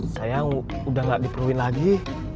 sayang udah gak diperluin lagi